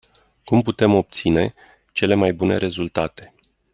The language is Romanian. Cum putem obține cele mai bune rezultate?